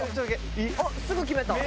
あっすぐ決めた。